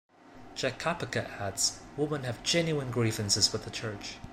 Jack Kapica adds Women have genuine grievances with the Church.